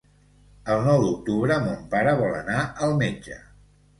El nou d'octubre mon pare vol anar al metge.